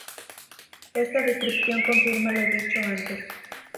Esta descripción confirma lo dicho antes.